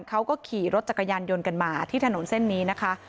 เขาก็ขี่รถจักรยานยนต์กันมาที่ถนนเส้นนี้นะคะ